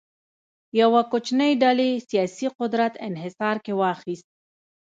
یوه کوچنۍ ډلې سیاسي قدرت انحصار کې واخیست.